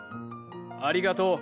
ありがとう。